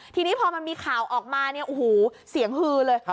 ทีนี้พอมันมีข่าวออกมาเนี่ยโอ้โหเสียงฮือเลย